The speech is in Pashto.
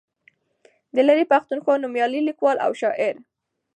د لرې پښتونخوا نومیالی لیکوال او شاعر